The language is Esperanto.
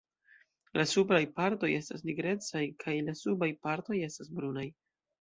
La supraj partoj estas nigrecaj kaj la subaj partoj estas brunaj.